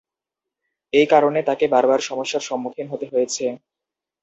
এই কারণে তাকে বারবার সমস্যার সম্মুখীন হতে হয়েছে।